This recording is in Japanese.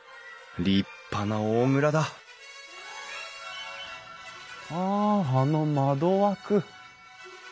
立派な大蔵だああの窓枠。